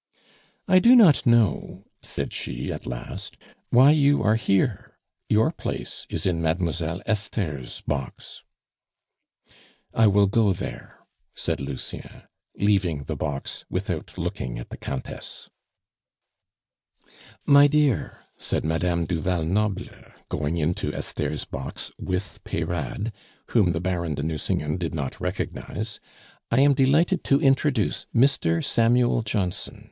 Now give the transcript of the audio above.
"I do not know," said she at last, "why you are here; your place is in Mademoiselle Esther's box " "I will go there," said Lucien, leaving the box without looking at the Countess. "My dear," said Madame du Val Noble, going into Esther's box with Peyrade, whom the Baron de Nucingen did not recognize, "I am delighted to introduce Mr. Samuel Johnson.